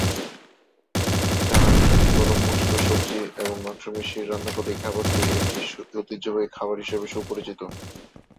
চাল, ঘি, গরম মশলা, সবজি এবং মাংস মিশিয়ে রান্না করা এই খাবারটি একটি ঐতিহ্যবাহী খাবার হিসাবে সুপরিচিত।